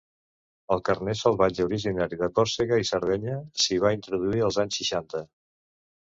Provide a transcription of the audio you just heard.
El carner salvatge originari de Còrsega i Sardenya s'hi va introduir als anys seixanta.